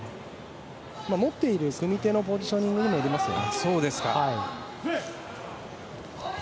持っている組み手のポジショニングにもよりますよね。